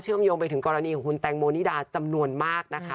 มโยงไปถึงกรณีของคุณแตงโมนิดาจำนวนมากนะคะ